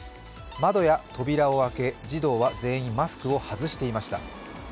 窓や扉を開け、児童は全員マスクを外していました。